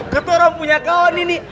ketua orang punya kawan ini